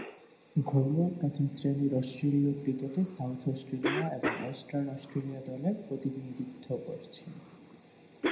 ঘরোয়া প্রথম-শ্রেণীর অস্ট্রেলীয় ক্রিকেটে সাউথ অস্ট্রেলিয়া এবং ওয়েস্টার্ন অস্ট্রেলিয়া দলের প্রতিনিধিত্ব করেছেন।